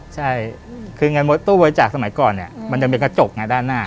ใช่คือไงตู้บริจาคสมัยก่อนเนี่ยมันจะมีกระจกไงด้านหน้า